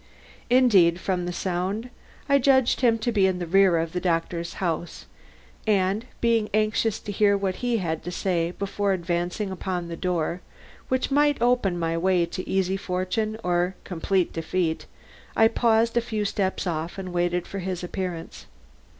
Indeed, from the sound, I judged him to be in the rear of the doctor's house and, being anxious to hear what he had to say before advancing upon the door which might open my way to easy fortune or complete defeat, I paused a few steps off and waited for his appearance.